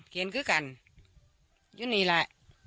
เขาอาการอยู่นี่แหละ